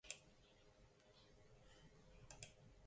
Noiz ikasiko duzu besteari ez mozten hizketan ari den bitartean?